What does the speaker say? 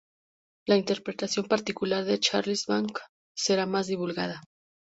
La interpretación particular de Charles Blanc será más divulgada.